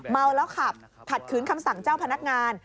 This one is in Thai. เมาแล้วขับขัดขืนคำสั่งเจ้าพนักงาน